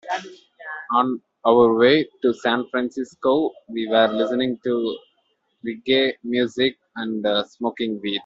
On our way to San Francisco, we were listening to reggae music and smoking weed.